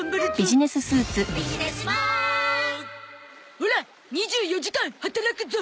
オラ２４時間働くゾ！